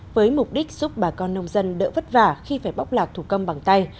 với mục đích giúp bà con nông dân đỡ vất vả khi phải bóc lạc thủ công bằng tay